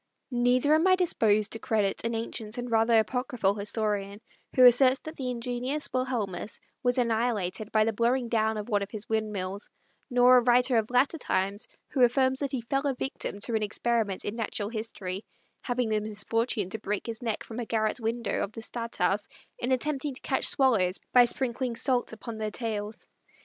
Neither am I disposed to credit an ancient and rather apocryphal historian who asserts that the ingenious Wilhelmus was annihilated by the blowing down of one of his windmills; nor a writer of latter times, who affirms that he fell a victim to an experiment in natural history, having the misfortune to break his neck from a garret window of the stadthouse in attempting to catch swallows by sprinkling salt upon their tails.